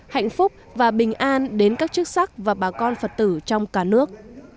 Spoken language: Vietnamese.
hạnh phúc và bình an đến các chức sắc và bà con phật tử trong cả nước